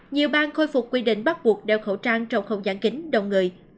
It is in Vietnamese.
nhiều bang khôi phục quy định bắt buộc đeo khẩu trang trong không gian kính đông người